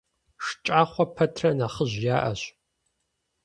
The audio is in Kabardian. ШкӀахъуэ пэтрэ нэхъыжь яӀэщ.